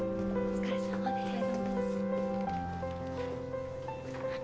お疲れさまです。